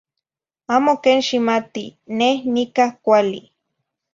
Amo quen ximati, neh nica cuali